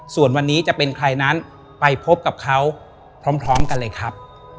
ส่วนวันนี้จะเป็นใครนั้นไปพบกับเขาพร้อมกันเลยครับ